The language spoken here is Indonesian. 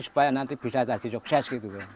supaya nanti bisa jadi sukses gitu